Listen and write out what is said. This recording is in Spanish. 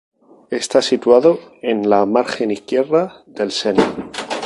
Está situado en la margen izquierda del Sena.